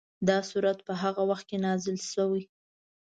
دا سورت په هغه وخت کې نازل شوی.